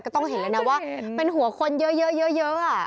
ก็ต้องเห็นเลยนะว่าเป็นหัวคนเยอะอ่ะ